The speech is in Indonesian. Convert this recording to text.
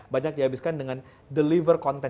banyak dihabiskan dengan deliver content